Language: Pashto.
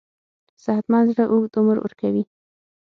صحتمند زړه اوږد عمر ورکوي.